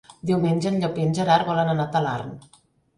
Diumenge en Llop i en Gerard volen anar a Talarn.